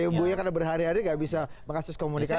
mungkin karena berhari hari gak bisa mengakses komunikasi